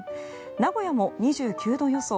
名古屋も２９度予想。